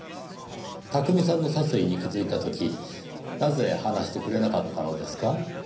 巧さんの殺意に気づいた時なぜ話してくれなかったのですか？